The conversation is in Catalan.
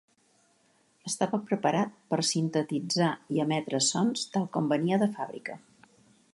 Estava preparat per sintetitzar i emetre sons tal com venia de fàbrica.